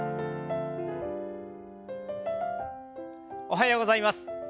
おはようございます。